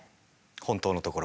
本当のところは？